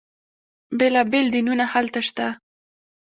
بیلا بیل دینونه هلته شته.